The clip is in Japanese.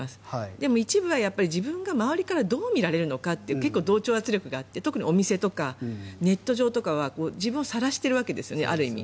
でも一部は自分が周りからどう見られるのかって結構、同調圧力があって特にお店とかネット上とかは自分をさらしているわけですよねある意味。